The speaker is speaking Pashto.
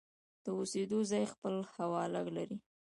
د اوسېدو ځای خپل حواله لري.